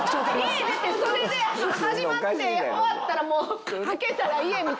家出て袖で始まって終わったらもうはけたら家みたいな。